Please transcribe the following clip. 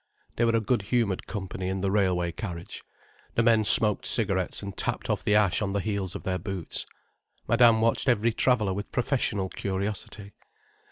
They were a good humoured company in the railway carriage. The men smoked cigarettes and tapped off the ash on the heels of their boots, Madame watched every traveller with professional curiosity.